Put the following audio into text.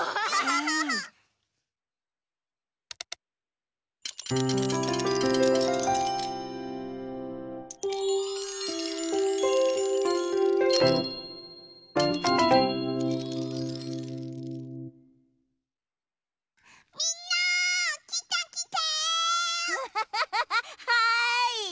はい！